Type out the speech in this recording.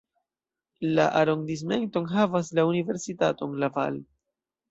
La arondismento enhavas la universitaton Laval.